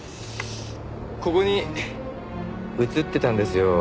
ここに写ってたんですよ。